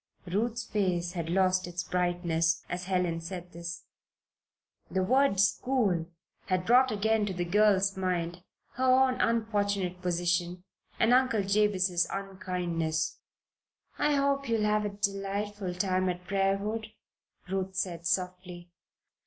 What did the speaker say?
Ruth's face had lost its brightness as Helen said this. The word "school" had brought again to the girl's mind her own unfortunate position and Uncle Jabez's unkindness. "I hope you will have a delightful time at Briarwood," Ruth said, softly.